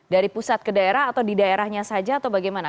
dari pusat ke daerah atau di daerahnya saja atau bagaimana